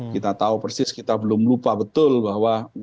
kita tahu persis kita belum lupa betul bahwa